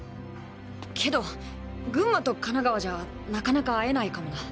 けど群馬と神奈川じゃなかなか会えないかもな。